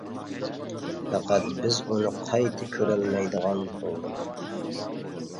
پەقەت بىز ئۇنى قايتا كۆرەلمەيدىغان بولدۇق.